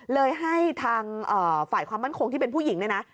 เลยให้ทางฝ่ายความมั่นคงที่เป็นผู้หญิงเนี่ยนะ